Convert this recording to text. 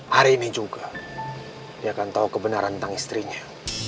hari ini juga dia kan tahu kebenaran tentang istrinya